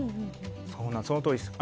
そのとおりです。